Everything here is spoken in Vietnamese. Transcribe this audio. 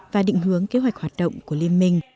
và định hướng kế hoạch hoạt động của liên minh